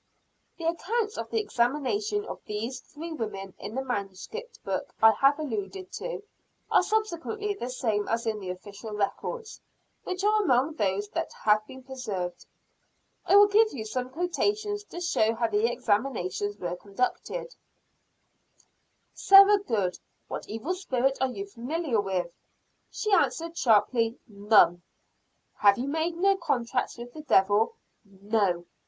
The accounts of the examination of these three women in the manuscript book I have alluded to, are substantially the same as in the official records, which are among those that have been preserved. I will give some quotations to show how the examinations were conducted: "Sarah Good, what evil spirit are you familiar with?" She answered sharply, "None!" "Have you made no contracts with the Devil?" "No!"